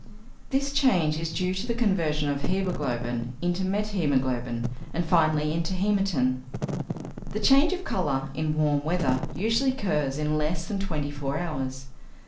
This change is due to the conversion of hæmoglobin into methæmoglobin, and finally into hæmatin. The change of colour in warm weather usually occurs in less than twenty four hours.